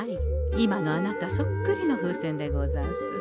今のあなたそっくりの風船でござんす。